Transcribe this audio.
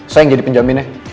saya yang jadi penjaminnya